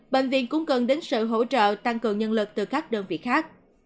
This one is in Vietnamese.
bệnh viện cũng cần đến sự hỗ trợ tăng cường nhân lực từ các đơn vị khác